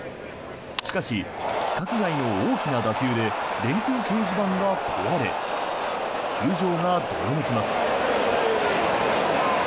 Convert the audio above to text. しかし規格外の大きな打球で電光掲示板が壊れ球場がどよめきます。